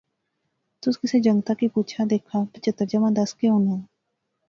تس کسا جنگتا کی پُچھا دیکھا پچہتر جمع دس کے ہونا